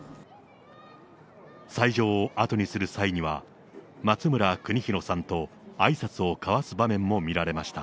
斎場を後にする際には、松村邦洋さんとあいさつを交わす場面も見られました。